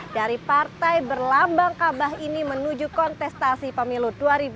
dari partai berlambang kabah ini menuju kontestasi pemilu dua ribu dua puluh